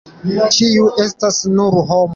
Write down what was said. Ĉiu estas nur homo.